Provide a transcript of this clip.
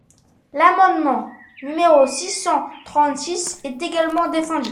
L’amendement numéro six cent trente-six est également défendu.